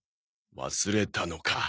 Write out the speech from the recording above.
忘れたのか。